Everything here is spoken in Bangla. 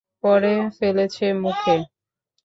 পরে ফেলেছে মুখে।